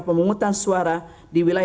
pemungkutan suara di wilayah